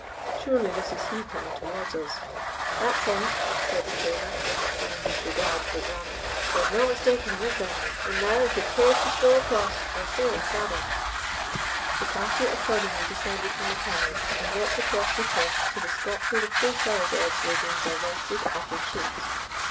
Surely this is he coming toward us." "That's him," said the trainer, with a fine disregard for grammar. "There's no mistaking him, is there? And now, if you'd care to stroll across we'll see them saddle." The party accordingly descended from the carriage, and walked across the turf to the spot where the four thoroughbreds were being divested of their sheets.